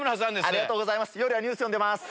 ありがとうございます。